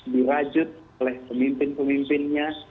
dirajut oleh pemimpin pemimpinnya